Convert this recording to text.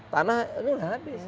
tanah ini udah habis